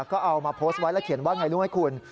ก็เอามาโพสต์ไว้แล้วเขียนว่าไงรู้ไหมคุณ